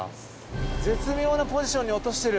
絶妙なポジションに落としてる。